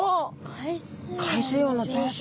海水温の上昇。